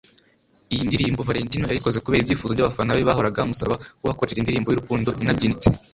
Iyi ndirimbo Valentino yayikoze kubera ibyifuzo by’abafana be bahoraga bamusaba kubakorera indirimbo y’urukundo inabyinitse